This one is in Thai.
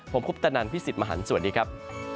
ผมคุปตะนันพี่สิทธิ์มหันฯสวัสดีครับ